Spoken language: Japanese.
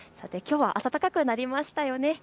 きょうは暖かくなりましたね。